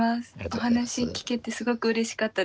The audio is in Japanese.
お話聞けてすごくうれしかったです。